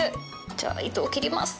じゃあ糸を切ります。